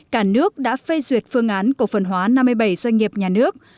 cả nước đã phê duyệt phương án cổ phần hóa năm mươi bảy doanh nghiệp nhà nước